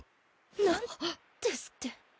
なんですって？